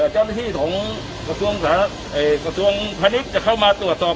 เจ้าหน้าที่ของกระทรวงพาณิชย์จะเข้ามาตรวจสอบ